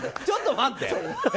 ちょっと待って。